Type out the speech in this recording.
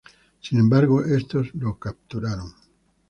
Sin embargo, estos lo capturaron.